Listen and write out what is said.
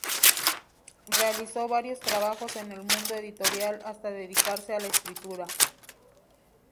Realizó varios trabajos en el mundo editorial hasta dedicarse a la escritura.